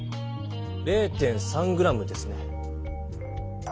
０．３ｇですね。